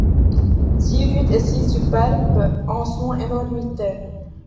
Si rude et si superbe en son énormité